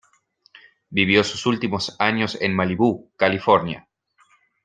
Vivió sus últimos años en Malibú, California.